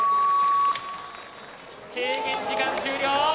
制限時間終了。